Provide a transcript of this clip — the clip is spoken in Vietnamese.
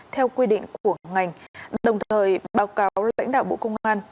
theo quy định của ngành đồng thời báo cáo lãnh đạo bộ công an